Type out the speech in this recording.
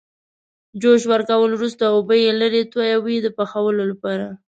جوش ورکولو وروسته اوبه یې لرې تویوي د پخولو لپاره.